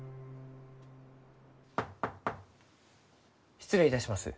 失礼いたします。